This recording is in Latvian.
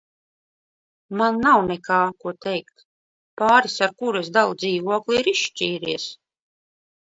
Man nav nekā, ko teikt. Pāris, ar kuru es dalu dzīvokli, ir izšķīries.